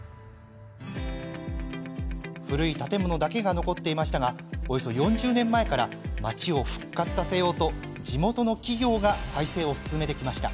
古い建物だけが残っていましたがおよそ４０年前から町を復活させようと、地元の企業が再生を進めてきました。